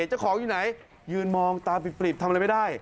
เจ้าของอยู่ไหนยืนมองตาปริบทำอะไรไม่ได้